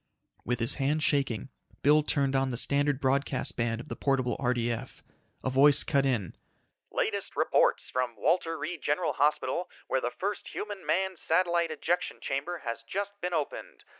With his hand shaking, Bill turned on the standard broadcast band of the portable RDF. A voice cut in: "... latest reports from Walter Reed General Hospital where the first human manned satellite ejection chamber has just been opened.